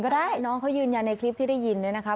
ก็ได้น้องเขายืนในคลิปที่ได้ยินเลยนะคะ